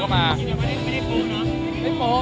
ไม่ได้โปร่งเนอะ